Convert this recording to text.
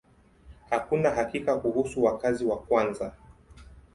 Hakuna hakika kuhusu wakazi wa kwanza.